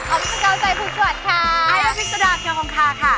ไอล่าพิกซาดาเคียวห่มคาค่ะ